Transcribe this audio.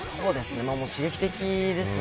刺激的ですね。